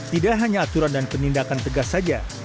tidak hanya aturan dan penindakan tegas saja